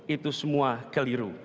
itu semua keliru